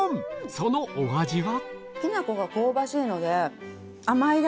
そのお味は？